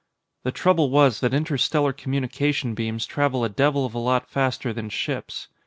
The trouble was that interstellar communication beams travel a devil of a lot faster than ships.